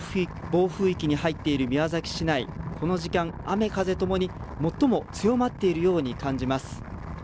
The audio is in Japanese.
暴風域に入っている宮崎市内、この時間、雨風ともに最も強まっているように感じます。